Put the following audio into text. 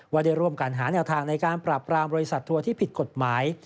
ได้ร่วมกันหาแนวทางในการปราบรามบริษัททัวร์ที่ผิดกฎหมาย